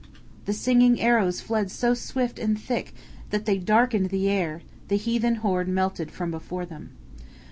The singing arrows fled so swift and thick that they darkened the air, the heathen horde melted from before them.